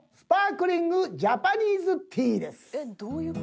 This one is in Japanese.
「えっどういう事？